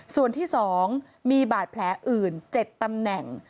ส่วนที่๒มีบาดแผลอื่น๗ตำแหน่ง